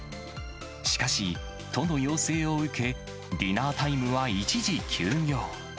しかし、都の要請を受け、ディナータイムは一時休業。